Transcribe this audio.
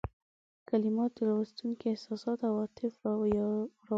کلمات د لوستونکي احساسات او عواطف را وپاروي.